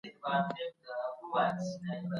موږ نظم ډېر ساتو.